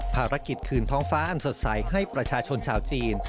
ภารกิจคืนท้องฟ้าอันสดใสให้ประชาชนชาวจีน